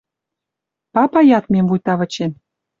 Папа ядмем вуйта вычен